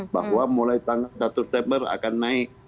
bahwa mulai tanggal satu september akan naik